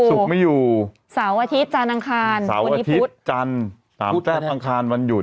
สุกไม่อยู่สาวอาทิตย์จานอังคารสาวอาทิตย์จันทร์ตามแจ้บอังคารวันหยุด